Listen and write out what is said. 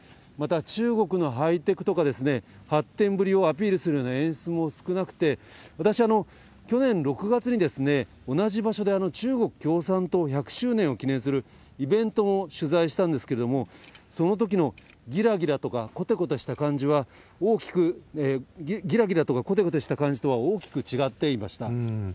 また、中国のハイテクとか発展ぶりをアピールするような演出も少なくて、私、去年６月に同じ場所で、中国共産党１００周年を記念するイベントを取材したんですけれども、そのときのぎらぎらとか、こてこてした感じは大きく、ぎらぎらとかこてこてした感じとは大きく違っていました。